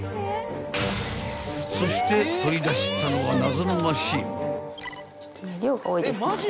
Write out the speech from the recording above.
［そして取り出したのは］